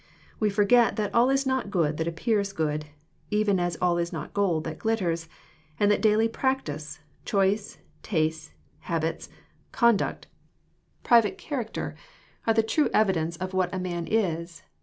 We forget that all is not good that appears good, even as all is not gold that glitters, and that daily practice, choice, tastes, habits, conduct, private character, JOHN, CHAT. Vn. 17 are the true evidence of what a man is.